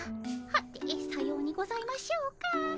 はてさようにございましょうか。